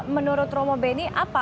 menurut romo beni